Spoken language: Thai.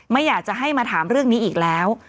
ไม่อยากจะให้มาถามเรื่องนี้อีกแล้ว